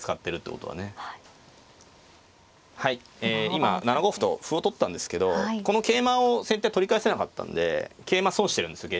今７五歩と歩を取ったんですけどこの桂馬を先手は取り返せなかったんで桂馬損してるんですよ。